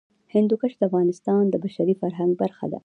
هندوکش د افغانستان د بشري فرهنګ برخه ده.